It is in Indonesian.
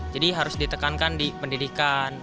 jadi harus ditekankan di pendidikan